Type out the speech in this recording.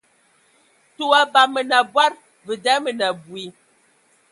Tə o abam Mə nə abɔd, və da mə nə abui.